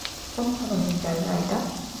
কোন ধরনের জায়গা এটা?